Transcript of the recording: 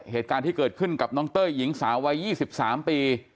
เหตุการณ์ที่เกิดขึ้นกับน้องเต้ยหญิงสาววัย๒๓ปี